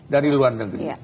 dari luar negeri